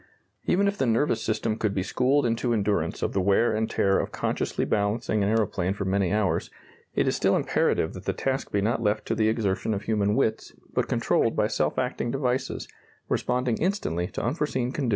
Even if the nervous system could be schooled into endurance of the wear and tear of consciously balancing an aeroplane for many hours, it is still imperative that the task be not left to the exertion of human wits, but controlled by self acting devices responding instantly to unforeseen conditions as they occur.